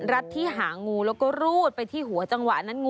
รัดที่หางูแล้วก็รูดจะไปที่ฝันผูหวัง